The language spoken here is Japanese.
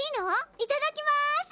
いただきます！